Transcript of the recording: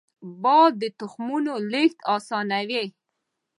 باد د تخمونو لیږد اسانوي